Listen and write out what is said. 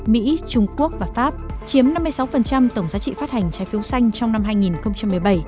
mỹ trung quốc và pháp chiếm năm mươi sáu tổng giá trị phát hành trái phiếu xanh trong năm hai nghìn một mươi bảy